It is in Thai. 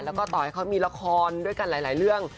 และก็ต่อที่มีราคอนด้วยกันหลายเรื่อง